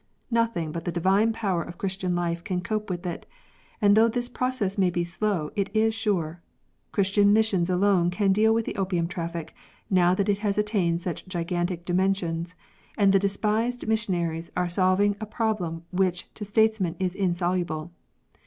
Nothing but the divine power of Christian life can cope with it, and though this process may be slow, it is sure. Christian missions alone can deal with the opium traffic, now that it has attained such gigantic dimensions, and the despised mission aries are solving a problem which to statesmen is insoluble.